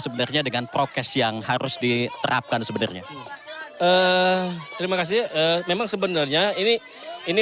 sebenarnya dengan prokes yang harus diterapkan sebenarnya terima kasih memang sebenarnya ini ini